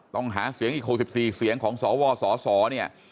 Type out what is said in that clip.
ต้องหาเสียงอีก๖๔เสียงของสวสสเนี่ย